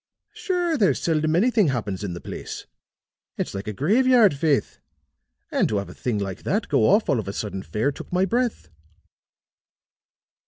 Sure, there's seldom anything happens in the place; it's like a graveyard, faith; and to have a thing like that go off all of a sudden fair took my breath."